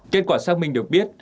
kết quả xác minh được biết